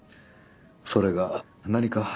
それが何か？